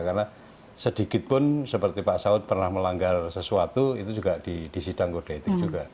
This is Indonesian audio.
karena sedikitpun seperti pak saud pernah melanggar sesuatu itu juga di sidang kode etik juga